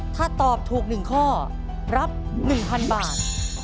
ถ้าตอบถูก๑ข้อรับ๑๐๐๐บาท